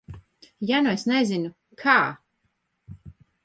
Ja nu es nezinu, kā?